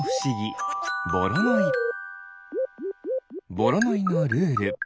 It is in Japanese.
ボロノイのルール。